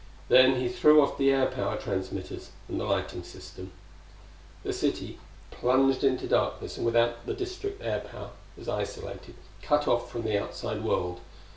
Then he threw off the air power transmitters and the lighting system. The city, plunged into darkness and without the district air power, was isolated, cut off from the outside world.